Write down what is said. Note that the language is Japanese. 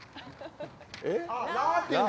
えっ？